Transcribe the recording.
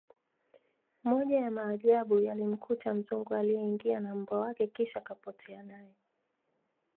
moja ya maajabu yalimkuta mzungu aliye ingia na mbwa wake kisha kapotea naye